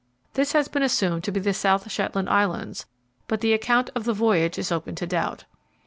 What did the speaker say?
This has been assumed to be the South Shetland Islands, but the account of the voyage is open to doubt.